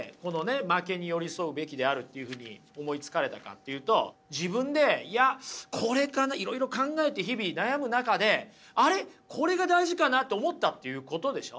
負けに寄り添うべきであるっていうふうに思いつかれたかっていうと自分でいやこれかないろいろ考えて日々悩む中で「あれ？これが大事かな」と思ったっていうことでしょ？